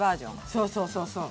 そうそうそうそう。